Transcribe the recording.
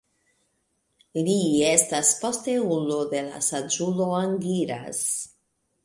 Li estas posteulo de la saĝulo Angiras.